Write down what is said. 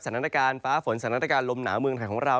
สถานการณ์ฟ้าฝนสถานการณ์ลมหนาวเมืองไทยของเรา